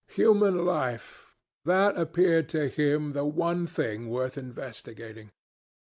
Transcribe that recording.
Human life—that appeared to him the one thing worth investigating.